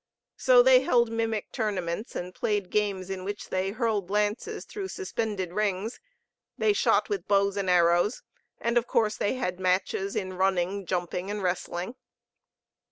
So they held mimic tournaments and played games in which they hurled lances through suspended rings; they shot with bows and arrows; and of course they had matches in running, jumping and wrestling.